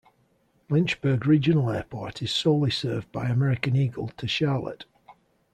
Lynchburg Regional Airport is solely served by American Eagle to Charlotte.